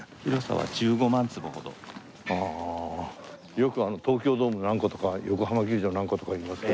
よく東京ドーム何個とか横浜球場何個とか言いますけど。